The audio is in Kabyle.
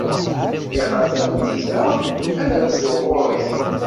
Nniqal tameddit ara nerzuɣ ɣer-k.